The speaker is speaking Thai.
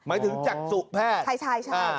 หมายถึงจักษุแพทย์ใช่ใช่